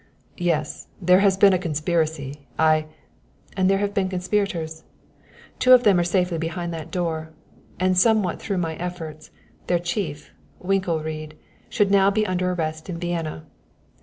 "Yes; there has been a conspiracy; I " "And there have been conspirators! Two of them are safely behind that door; and, somewhat through my efforts, their chief, Winkelried, should now be under arrest in Vienna.